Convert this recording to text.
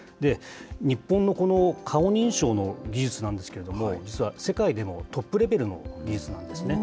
日本のこの顔認証の技術なんですけれども、実は世界でもトップレベルの技術なんですね。